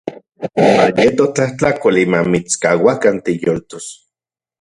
Mayeto tlajtlakoli mamitskauakan tiyoltos.